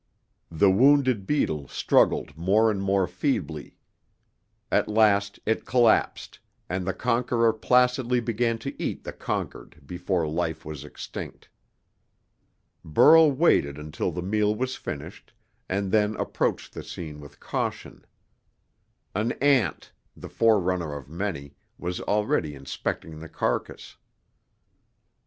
The wounded beetle struggled more and more feebly. At last it collapsed, and the conqueror placidly began to eat the conquered before life was extinct. Burl waited until the meal was finished, and then approached the scene with caution. An ant the forerunner of many was already inspecting the carcass.